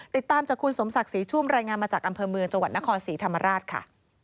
ติดตามจากคุณสมศักดิ์ศรีชุ่มรายงานมาจากอำเภอเมืองจังหวัดนครศรีธรรมราชค่ะ